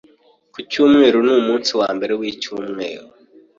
Ku cyumweru ni umunsi wambere wicyumweru?